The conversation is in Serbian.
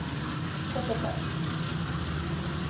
Ко то каже?